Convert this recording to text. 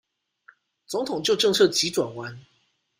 總統就政策急轉彎